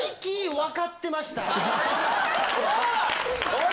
おい！